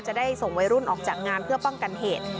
จะได้ส่งวัยรุ่นออกจากงานเพื่อป้องกันเหตุ